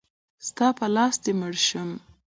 ستا په لاس دی مړ شم.